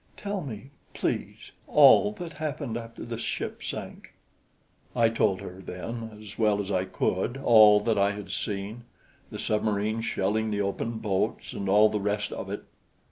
Tell me, please, all that happened after the ship sank." I told her, then, as well as I could, all that I had seen the submarine shelling the open boats and all the rest of it.